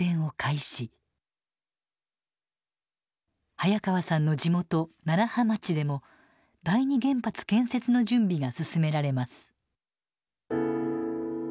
早川さんの地元楢葉町でも第二原発建設の準備が進められます。